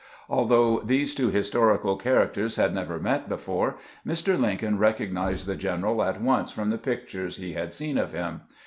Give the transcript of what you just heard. Although these two historical characters had never met before, Mr. Lincoln recognized the general at once from the pictures he had seen of him.